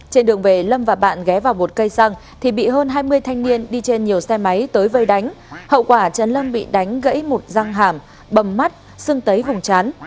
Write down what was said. trên đường về lâm và bạn ghé vào một cây xăng thì bị hơn hai mươi thanh niên đi trên nhiều xe máy tới vây đánh hậu quả trần lâm bị đánh gãy một răng hàm bầm mắt xưng tấy vùng chán